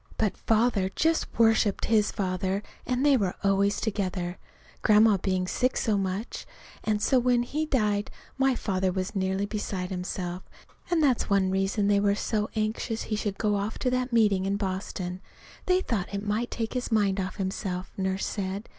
But Father just worshipped his father, and they were always together Grandma being sick so much; and so when he died my father was nearly beside himself, and that's one reason they were so anxious he should go to that meeting in Boston. They thought it might take his mind off himself, Nurse said.